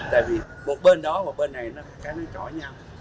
tại vì một bên đó và bên này nó khác nó chói nhau